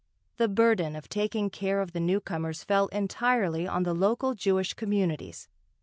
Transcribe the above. The burden of taking care of the newcomers fell entirely on the local Jewish communities.